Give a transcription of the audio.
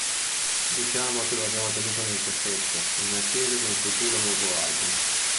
Diciamo che lo abbiamo tenuto nel cassetto in attesa di un futuro nuovo album.